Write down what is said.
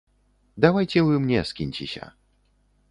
Давайце вы мне скіньцеся.